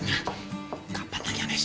頑張んなきゃね